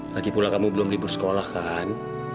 lagipula kamu belum libur sekolah kan